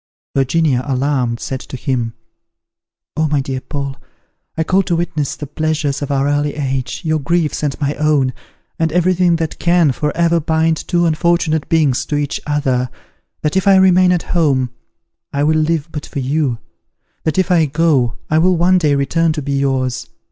Virginia, alarmed, said to him, "Oh, my dear Paul, I call to witness the pleasures of our early age, your griefs and my own, and every thing that can for ever bind two unfortunate beings to each other, that if I remain at home, I will live but for you; that if I go, I will one day return to be yours.